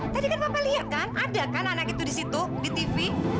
tadi kan bapak lihat kan ada kan anak itu di situ di tv